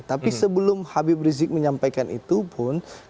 tapi sebelum habib rizik menyampaikan itu pun kami juga membangun komunikasi